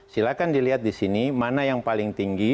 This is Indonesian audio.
silahkan dilihat di sini mana yang paling tinggi